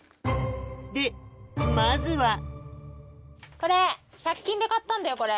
でまずはこれ１００均で買ったんだよ。